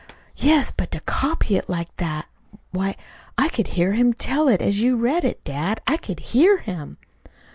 "Yes; but to copy it like that ! Why, I could hear him tell it as you read it, dad. I could HEAR him."